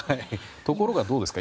ところがどうですか？